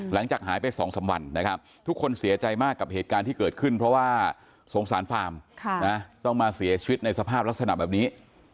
หลังจากหายไป๒๓วันนะครับทุกคนเสียใจมากกับเหตุการณ์ที่เกิดขึ้นเพราะว่าสงสารฟาร์มต้องมาเสียชีวิตในสภาพลักษณะแบบนี้